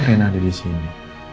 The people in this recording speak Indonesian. rena ada disini